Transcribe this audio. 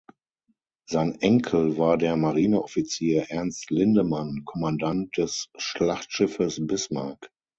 Sein Enkel war der Marineoffizier Ernst Lindemann, Kommandant des Schlachtschiffes "Bismarck".